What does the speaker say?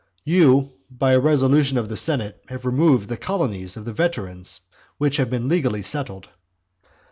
"You, by a resolution of the senate, have removed the colonies of the veterans which had been legally settled".